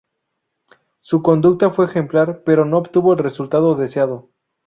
Su conducta fue ejemplar, pero no obtuvo el resultado deseado.